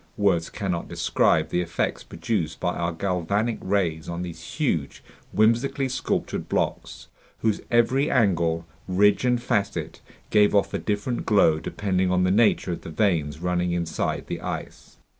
Words cannot describe the effects produced by our galvanic rays on these huge, whimsically sculpted blocks, whose every angle, ridge, and facet gave off a different glow depending on the nature of the veins running inside the ice.